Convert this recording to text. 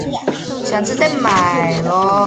蒙古化色目人。